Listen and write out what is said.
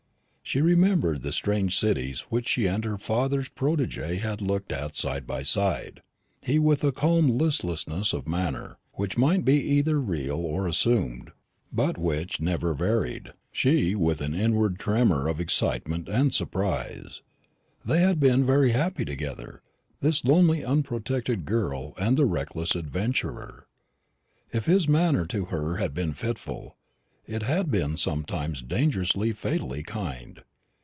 She remembered the strange cities which she and her father's protégé had looked at side by side; he with a calm listlessness of manner, which might either be real or assumed, but which never varied; she with an inward tremor of excitement and surprise. They had been very happy together, this lonely unprotected girl and the reckless adventurer. If his manner to her had been fitful, it had been sometimes dangerously, fatally kind.